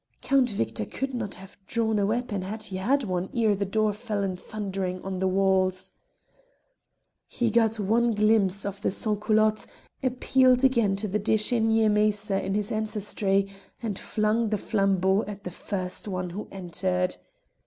Count Victor could not have drawn a weapon had he had one ere the door fell in thundering on the walls. He got one glimpse of the sans culottes, appealed again to the De Chenier macer in his ancestry, and flung the flambeau at the first who entered.